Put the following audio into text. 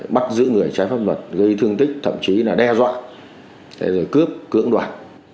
bắt giữ người trái pháp luật gây thương tích thậm chí đe dọa cướp cưỡng đoạn